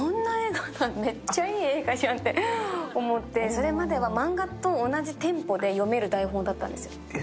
それまでは漫画と同じテンポで読める台本だったんです。